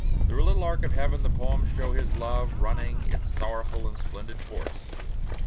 "Through a little arc of heaven" the poems show his love running its sorrowful and splendid course.